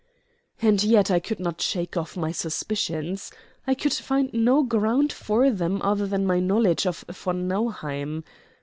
And yet I could not shake off my suspicions. I could find no ground for them other than my knowledge of von Nauheim.